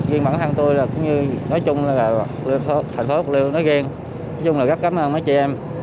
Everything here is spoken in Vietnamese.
riêng bản thân tôi là cũng như nói chung là thành phố bạc liêu nói riêng nói chung là rất cảm ơn mấy chị em